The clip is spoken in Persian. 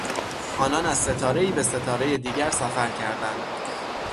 آنان از ستارهای به ستارهی دیگر سفر کردند.